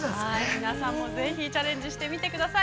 ◆皆さんも、ぜひチャレンジしてみてください。